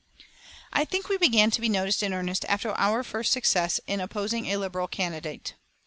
I think we began to be noticed in earnest after our first success in opposing a Liberal candidate.